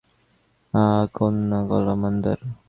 আমি নবাব গোলামকাদের খাঁর কন্যা।